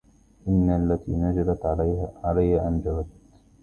إن التي نجلت عليا أنجبت